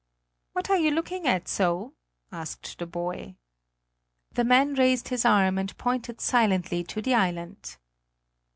"What are you looking at so?" asked the boy. The man raised his arm and pointed silently to the island.